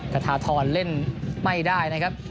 คาธาทรเล่นไม่ได้นะครับ